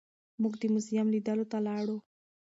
موږ د موزیم لیدلو ته لاړو.